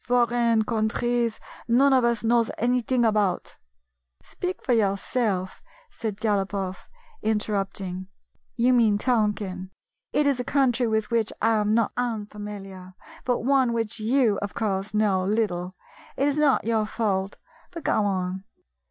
foreign countries none of us knows anything about —" "Speak for yourself," said Galopoff, inter 77 GYPSY, THE TALKING DOG rupting. " You mean Tonkin. It is a country with which I am not unfamiliar, but one of which you, of course, know little. It is not your fault — but go on."